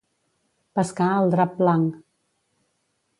Pescar al drap blanc.